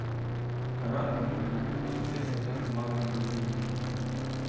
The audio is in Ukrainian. Ранком прибув один з висланих Хмарою розвідників.